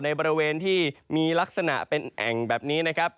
บริเวณที่มีลักษณะเป็นแอ่งแบบนี้นะครับ